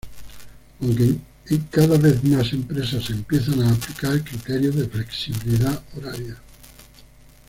Aunque en cada vez más empresas se empiezan a aplicar criterios de flexibilidad horaria.